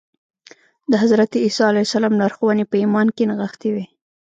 د حضرت عیسی علیه السلام لارښوونې په ایمان کې نغښتې وې